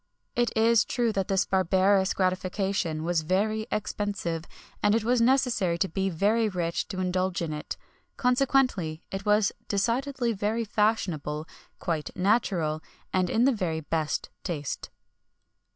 [XXI 45] It is true this barbarous gratification was very expensive, and it was necessary to be very rich to indulge in it consequently it was decidedly very fashionable, quite natural, and in the very best taste.